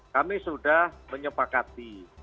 kami sudah menyepakati